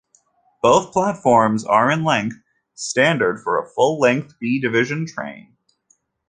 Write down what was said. Both platforms are in length, standard for a full-length B Division train.